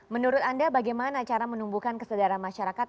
menurut anda bagaimana cara menumbuhkan kesadaran masyarakat